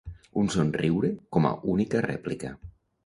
Un somriure com a única rèplica.